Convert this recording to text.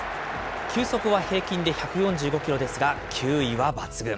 球速は平均で１４５キロですが、球威は抜群。